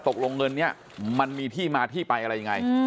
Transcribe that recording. ตกลงเงินนี้มันมีที่มาที่ไปอะไรยังไง